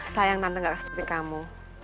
sayang tante gak seperti kamu